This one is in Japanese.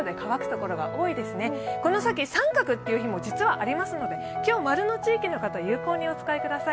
この先△という日も実はありますので今日、○の地域の方、有効にお使いください。